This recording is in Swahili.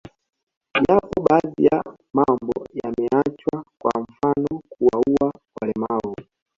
Yapo baadhi ya mambo yameachwa kwa mfano kuwaua walemavu